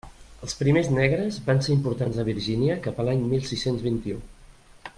Els primers negres van ser importats a Virgínia cap a l'any mil sis-cents vint-i-u.